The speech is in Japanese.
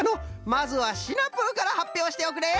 まずはシナプーからはっぴょうしておくれ。